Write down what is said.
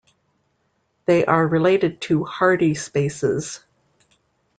They are related to Hardy spaces.